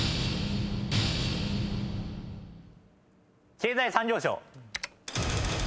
経済産業省。